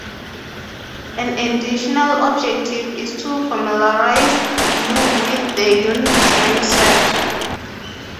An additional objective is to familiarise you with the Unix mindset,